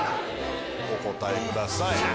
お答えください。